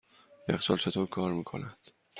یخچال چطور کار میکند؟